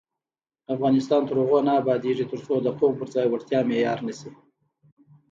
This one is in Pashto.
افغانستان تر هغو نه ابادیږي، ترڅو د قوم پر ځای وړتیا معیار نشي.